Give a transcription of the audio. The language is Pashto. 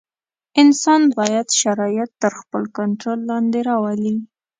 انسان باید شرایط تر خپل کنټرول لاندې راولي.